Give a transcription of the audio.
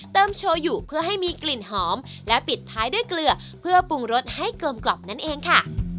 โชว์อยู่เพื่อให้มีกลิ่นหอมและปิดท้ายด้วยเกลือเพื่อปรุงรสให้กลมกล่อมนั่นเองค่ะ